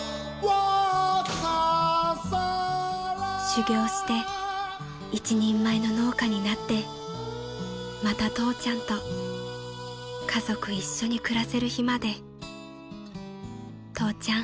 ［修業して一人前の農家になってまた父ちゃんと家族一緒に暮らせる日まで父ちゃん